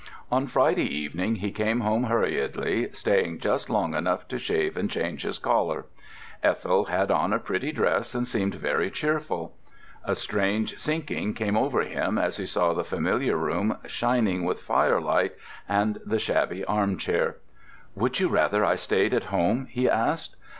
On Friday evening he came home hurriedly, staying just long enough to shave and change his collar. Ethel had on a pretty dress and seemed very cheerful. A strange sinking came over him as he saw the familiar room shining with firelight and the shabby armchair. "Would you rather I stayed at home?" he asked.